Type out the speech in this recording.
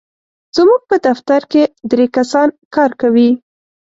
زموږ په دفتر کې درې کسان کار کوي.